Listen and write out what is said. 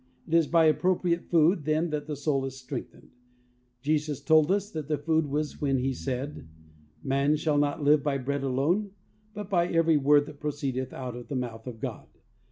It is by appropriate food, then, that the soul is strengthened. Jesus told us what that food was when He said, "Man shall not live by bread alone, but by every word that proceedeth out of the mouth of God."